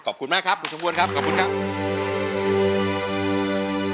ขอบคุณมากครับคุณสมควรครับขอบคุณครับ